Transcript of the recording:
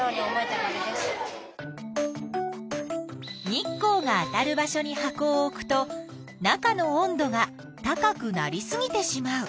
日光があたる場所に箱を置くと中の温度が高くなりすぎてしまう。